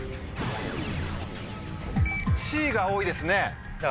Ｃが多いですね。